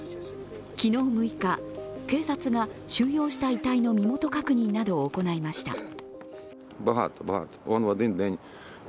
昨日６日、警察が収容した遺体の身元確認などを行いました。